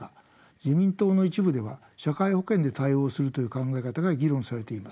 自民党の一部では社会保険で対応するという考え方が議論されています。